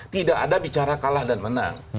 tidak ada bicara kalah dan menang